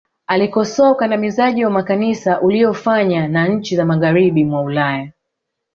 alikosoa ukandamizaji wa makanisa uliyofanya na nchi za magharibi mwa ulaya